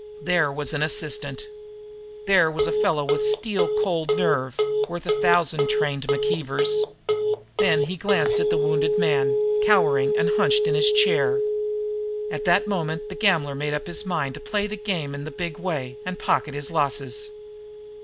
There was an assistant! There was a fellow with steel cold nerve worth a thousand trained McKeevers! Then he glanced at the wounded man, cowering and bunched in his chair. At that moment the gambler made up his mind to play the game in the big way and pocket his losses.